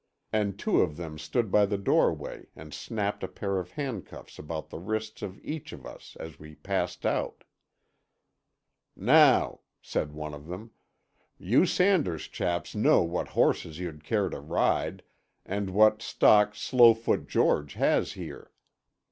And two of them stood by the doorway and snapped a pair of handcuffs about the wrists of each of us as we passed out. "Now," said one of them, "you Sanders chaps know what horses you'd care to ride, and what stock Slowfoot George has here.